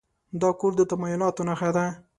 دا کور د تمایلاتو نښه ده.